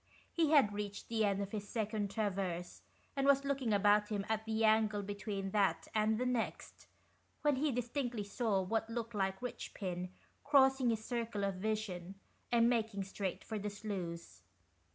He had reached the end of his second traverse, 64 THE RIOHPINS. and was looking about him at the angle between that and the next, when he distinctly saw what looked like Richpin crossing his circle of vision, and making straight for the sluice.